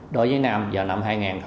đối với nam vào năm hai nghìn hai mươi